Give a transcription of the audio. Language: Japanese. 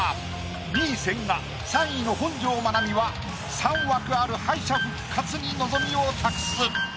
２位千賀３位の本上まなみは３枠ある敗者復活に望みを託す。